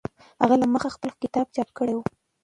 هغه لا دمخه خپل کتاب چاپ کړی و.